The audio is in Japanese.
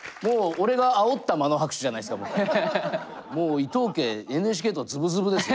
いやもうもう伊藤家ＮＨＫとズブズブですね。